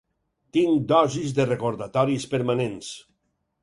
Tinc dosis de recordatoris permanents.